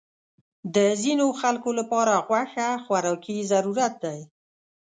د ځینو خلکو لپاره غوښه خوراکي ضرورت دی.